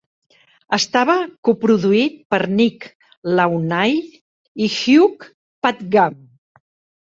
Estava coproduït per Nick Launay i Hugh Padgham.